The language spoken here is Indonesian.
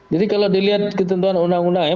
jadi kalau dilihat ketentuan undang undang ya